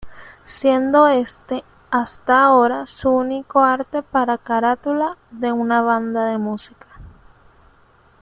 Siendo este, hasta ahora su único arte para carátula de una banda de música.